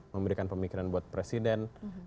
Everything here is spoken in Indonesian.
memberikan pemikiran buat presiden